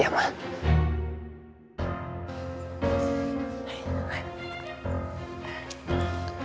sampai jumpa lagi